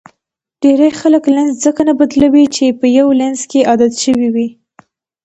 ډېری خلک لینز ځکه نه بدلوي چې په یو لینز کې عادت شوي وي.